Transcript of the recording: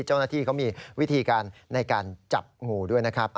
เจ้าหน้าที่เขามีวิธีการในการจับงูด้วยนะครับ